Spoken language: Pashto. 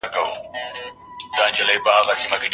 د هېواد بهرنیو تګلاره د سولي لپاره کافي هڅي نه کوي.